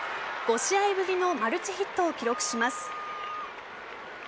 ５試合ぶりのマルチヒットを記録します。